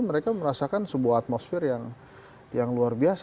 mereka merasakan sebuah atmosfer yang luar biasa